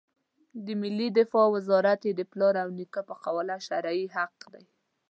د ملي دفاع وزارت یې د پلار او نیکه په قواله شرعي حق دی.